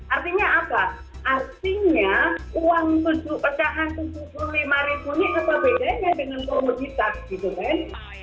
artinya apa artinya uang pecahan rp tujuh puluh lima ini apa bedanya dengan komoditas gitu kan